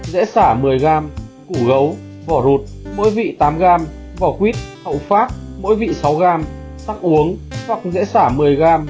dễ sả một mươi g củ gấu vỏ rụt mỗi vị tám g vỏ quýt hậu phát mỗi vị sáu g sắc uống hoặc dễ sả một mươi g